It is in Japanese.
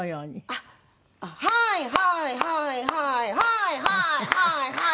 「あっはいはいはいはいはいはいはいはい」